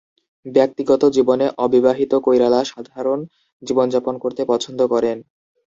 ব্যক্তিগত জীবনে অবিবাহিত কৈরালা সাধারণ জীবনযাপন করতে পছন্দ করেন।